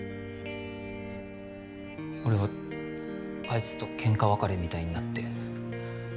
俺はあいつと喧嘩別れみたいになって。